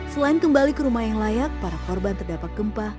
selain kembali ke rumah yang layak para korban terdapat gempa